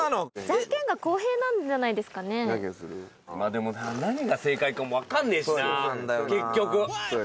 でも何が正解かも分かんねえしな結局。